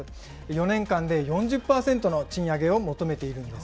４年間で４０％の賃上げを求めているんです。